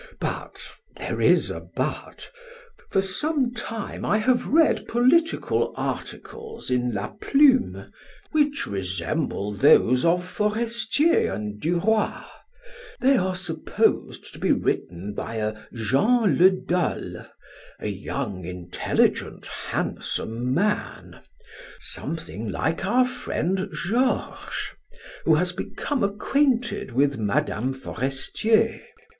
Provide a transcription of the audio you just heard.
But there is a but for some time I have read political articles in 'La Plume,' which resemble those of Forestier and Du Roy. They are supposed to be written by a Jean Le Dol, a young, intelligent, handsome man something like our friend Georges who has become acquainted with Mme. Forestier.